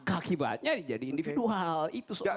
akibatnya jadi individual itu sebenarnya